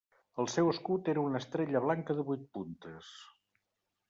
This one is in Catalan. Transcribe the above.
El seu escut era una estrella blanca de vuit puntes.